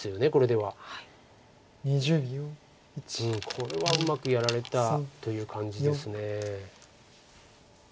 これはうまくやられたという感じです。